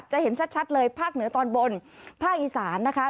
เห็นชัดเลยภาคเหนือตอนบนภาคอีสานนะคะ